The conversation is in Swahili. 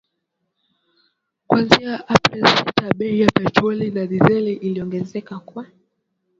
kuanzia Aprili sita bei ya petroli na dizeli iliongezeka kwa